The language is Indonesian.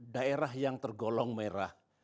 daerah yang tergolong merah